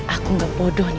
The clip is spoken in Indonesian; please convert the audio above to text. aku gak bodohnya